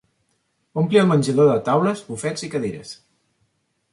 Ompli el menjador de taules, bufets i cadires.